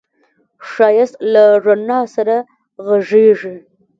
ښایست له رڼا سره غږېږي